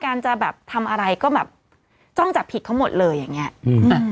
การจะแบบทำอะไรก็แบบจ้องจับผิดเขาหมดเลยอย่างเงี้อืม